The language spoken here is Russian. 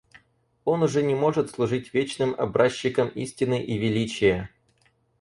Он уже не может служить вечным образчиком истины и величия.